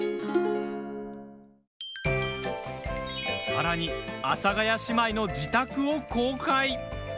さらに阿佐ヶ谷姉妹の自宅を公開。